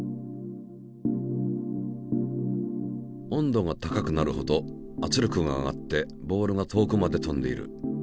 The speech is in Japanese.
温度が高くなるほど圧力が上がってボールが遠くまで飛んでいる。